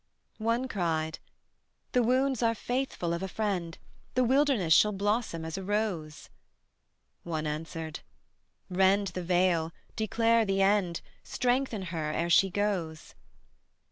One cried: "The wounds are faithful of a friend: The wilderness shall blossom as a rose." One answered: "Rend the veil, declare the end, Strengthen her ere she goes."